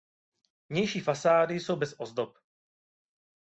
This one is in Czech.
Vnější fasády jsou bez ozdob.